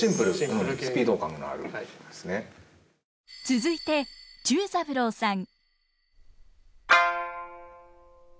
続いて忠三郎さん。